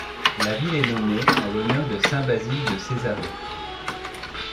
La ville est nommée en l'honneur de Saint-Basile de Césarée.